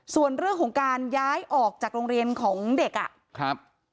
ส่วนเรื่องของการย้ายออกจากโรงเรียนของเด็กอ่ะครับ